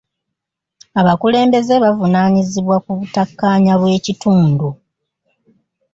Abakulembeze bavunaanyibwa ku butakkaanya bw'ekitundu.